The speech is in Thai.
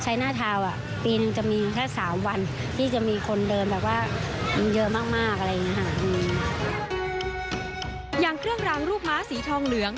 อย่างเครื่องรางรูปม้าสีทองเหลือง